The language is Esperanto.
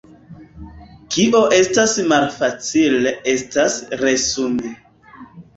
Kio estas malfacile estas resumi.